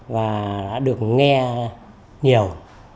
và đã được nghe nhiều